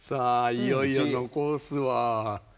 いよいよ残すは。